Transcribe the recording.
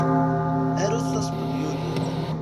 Arut taspenyulit.